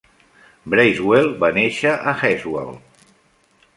Bracewell va néixer a Heswall.